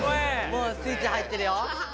もうスイッチ入ってるよ。